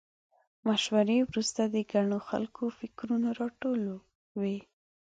مشورې وروسته د ګڼو خلکو فکرونه راټول وي.